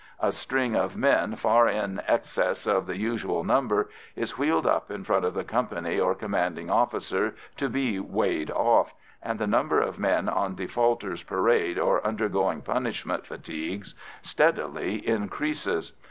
A string of men far in excess of the usual number is wheeled up in front of the company or commanding officer to be "weighed off," and the number of men on defaulters' parade, or undergoing punishment fatigues, steadily increases.